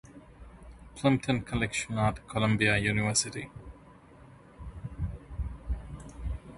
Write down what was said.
Plimpton Collection at Columbia University.